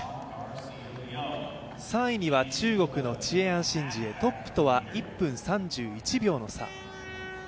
３位には中国の切陽什姐、トップとは１分３１秒の差。